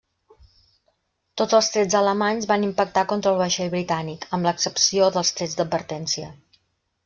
Tots els trets alemanys van impactar contra el vaixell britànic, amb l'excepció dels trets d'advertència.